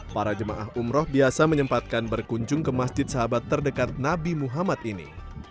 para jemaah umroh biasa menyempatkan berkunjung ke masjid sahabat terdekat nabi muhammad ini